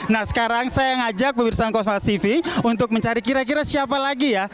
nah sekarang saya ngajak pemirsa ngosma tv untuk mencari kira kira siapa lagi ya